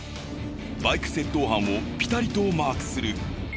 バイク窃盗犯をピタリとマークする。